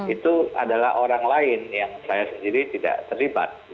itu adalah orang lain yang saya sendiri tidak terlibat